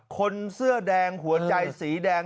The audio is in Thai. คนเสื้อแดงหัวใจสีแดง